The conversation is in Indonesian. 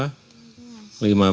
sepuluh sepuluh tambah